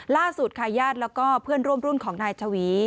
ล่าสุดค่ายาศและเพื่อนร่วมรุ่นของนายชวี